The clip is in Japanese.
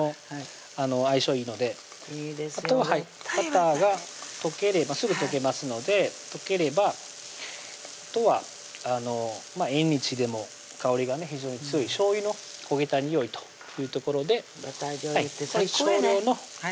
相性いいのであとはバターが溶ければすぐ溶けますので溶ければあとは縁日でも香りがね非常に強いしょうゆの焦げたにおいというところで少量のおしょうゆ加えていきます